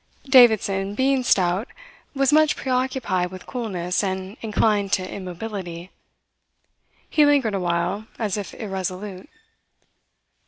Davidson, being stout, was much preoccupied with coolness and inclined to immobility. He lingered awhile, as if irresolute.